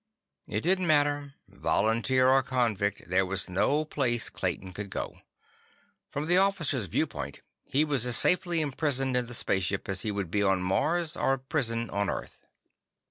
It didn't matter. Volunteer or convict, there was no place Clayton could go. From the officer's viewpoint, he was as safely imprisoned in the spaceship as he would be on Mars or a prison on Earth.